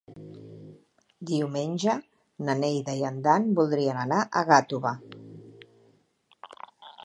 Diumenge na Neida i en Dan voldrien anar a Gàtova.